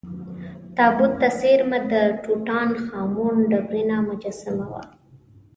تابوت ته څېرمه د ټوټا ن خا مون ډبرینه مجسمه وه.